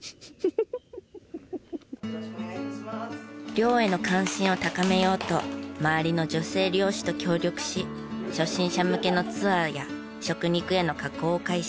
猟への関心を高めようと周りの女性猟師と協力し初心者向けのツアーや食肉への加工を開始。